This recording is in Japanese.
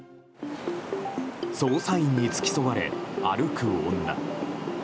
捜査員に付き添われ、歩く女。